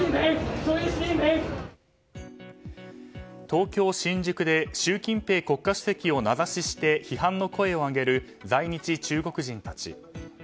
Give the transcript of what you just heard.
東京・新宿で習近平国家主席を名指しして批判の声を上げる在日中国人たち。